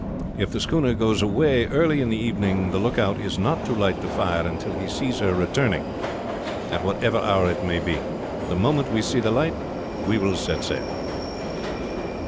If the schooner goes away early in the evening the lookout is not to light the fire until he sees her returning, at whatever hour it may be. The moment we see the light we will set sail."